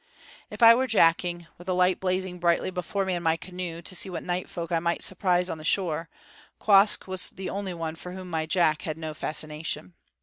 If I were jacking, with a light blazing brightly before me in my canoe, to see what night folk I might surprise on the shore, Quoskh was the only one for whom my jack had no fascination.